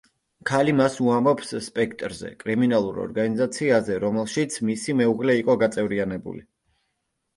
ქალი მას უამბობს „სპექტრზე“, კრიმინალურ ორგანიზაციაზე, რომელშიც მისი მეუღლე იყო გაწევრიანებული.